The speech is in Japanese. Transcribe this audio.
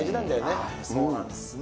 そうなんですね。